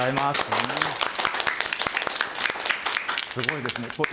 すごいですね。